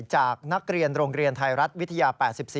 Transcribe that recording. จากนักเรียนโรงเรียนไทยรัฐวิทยา๘๔